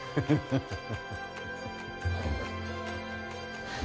ハハハハ。